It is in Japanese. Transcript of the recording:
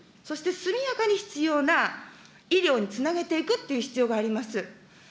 そして速やかに必要な医療につなげていくっていう必要があります。